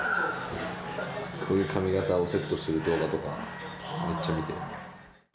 そういう髪形をセットする動画とかめっちゃ見て。